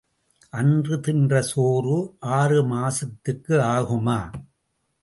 அன்று தின்ற சோறு ஆறு மாசத்துக்கு ஆகுமா?